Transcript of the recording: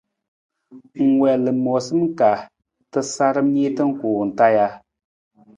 Ng wiin lamoosa ka tasaram niita kuwung taa ja?